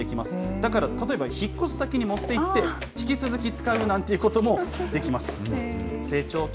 だから例えば、引っ越し先に持っていって、引き続き使うなんてこともできます。